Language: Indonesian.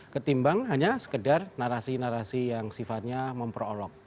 ketimbang hanya sekedar narasi narasi yang sifatnya memperolog